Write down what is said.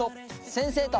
先生と。